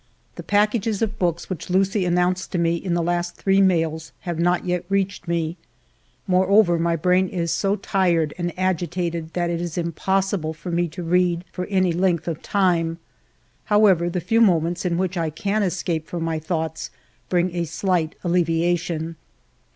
The packages of books which Lucie announced to me in the last three mails have not yet reached me. Moreover, my brain is so tired and agitated that it is impossible for me to read for any length ALFRED DREYFUS 199 of time. However, the few moments in which I can escape from my thoughts bring a slight alleviation.